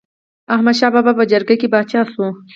احمد شاه بابا په جرګه پاچا شو.